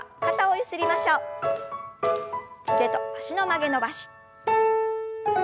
腕と脚の曲げ伸ばし。